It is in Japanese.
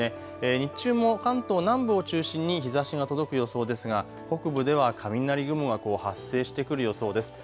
日中も関東南部を中心に日ざしが届く予想ですが北部では雷雲が発生してくる予想です。